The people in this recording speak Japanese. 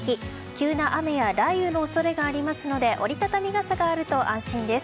急な雨や雷雨の恐れがありますので折り畳み傘があると安心です。